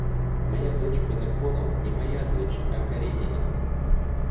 Моя дочь по закону — не моя дочь, а Каренина.